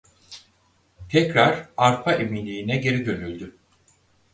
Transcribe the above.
Tekrar Arpa Eminliğine geri dönüldü.